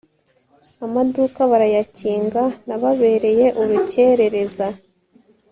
amaduka barayakinga nababereye urukerereza